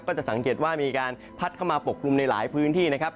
จะสังเกตว่ามีการพัดเข้ามาปกกลุ่มในหลายพื้นที่นะครับ